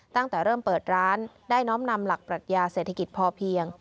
ตั้งแต่เริ่มเปิดร้านได้น้อมนำหลักปรัชญาเศรษฐกิจพอเพียง